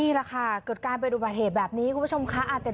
นี่ล่ะค่ะก็เกิดการไปดูบาทเหตุแบบนี้เค้าชมเพราะฆานเตรียม